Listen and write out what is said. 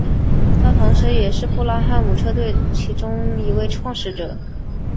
他同时也是布拉汉姆车队其中一位创始者。